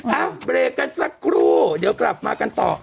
เอ้าเบรกกันสักครู่เดี๋ยวกลับมากันต่อ